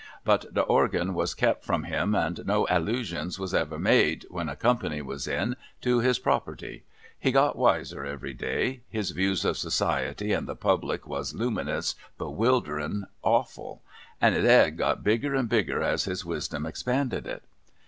But the organ was kep from him, and no allusions was ever made, when a company was in, to his property. He got wiser every day ; his views of Society and the Public was luminous, bewilderin, awful ; and his Ed got bigger and bigger as his Wisdom expanded it.